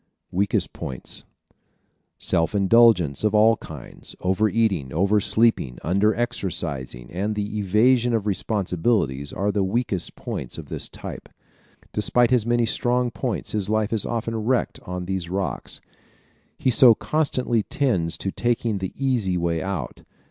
Weakest Points ¶ Self indulgence of all kinds, over eating, over sleeping, under exercising and the evasion of responsibilities are the weakest points of this type. Despite his many strong points his life is often wrecked on these rocks. He so constantly tends to taking the easy way out.